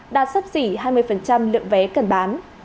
đạt sắp xỉ hai mươi lượng vé cần bán